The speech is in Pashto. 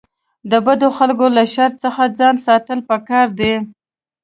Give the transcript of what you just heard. د بدو خلکو له شر څخه ځان ساتل پکار دي.